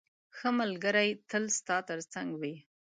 ښه ملګری تل ستا تر څنګ وي.